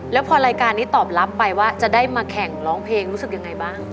แล้วพอรายการนี้ตอบรับไปว่าจะได้มาแข่งร้องเพลงรู้สึกยังไงบ้าง